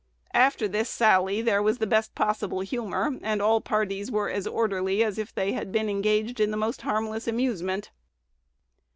After this sally, there was the best possible humor, and all parties were as orderly as if they had been engaged in the most harmless amusement."